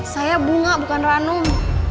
saya bunga bukan ranum